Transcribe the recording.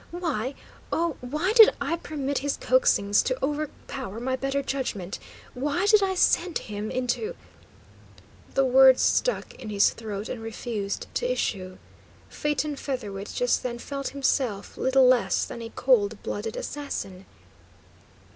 Why oh, why did I permit his coaxings to overpower my better judgment? Why did I send him into " The words stuck in his throat and refused to issue. Phaeton Featherwit just then felt himself little less than a cold blooded assassin.